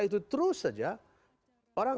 itu terus saja orang